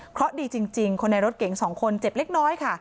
เพราะดีจริงคนในรถเก๋ง๒คนเจ็บเล็กน้อยค่ะ